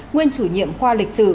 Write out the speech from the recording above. nguyên chủ nhiệm khoa lịch sử